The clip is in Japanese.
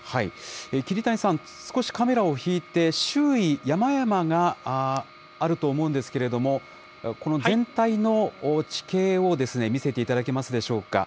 桐谷さん、少しカメラを引いて、周囲、山々があると思うんですけれども、この全体の地形を見せていただけますでしょうか。